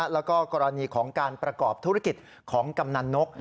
แล้วก็กรณีของการประกอบธุรกิจของกำนันนก